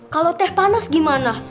kalau teh panas gimana